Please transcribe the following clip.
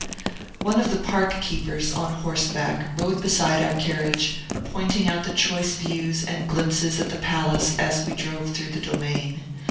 One of the park keepers, on horseback, rode beside our carriage, pointing out the choice views, and glimpses at the palace, as we drove through the domain.